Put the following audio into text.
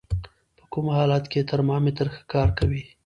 په کوم حالت کې ترمامتر ښه کار کوي؟